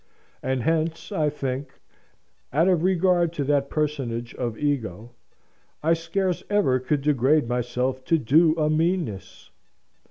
And hence, I think (out of regard to that personage of ego), I scarce ever could degrade myself to do a meanness.